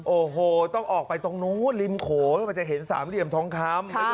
โอ้โหต้องออกไปตรงนู้นริมโขมันจะเห็นสามเหลี่ยมทองคำ